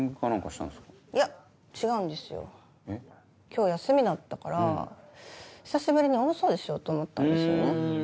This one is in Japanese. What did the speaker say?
今日休みだったから久しぶりに大掃除しようと思ったんですよね。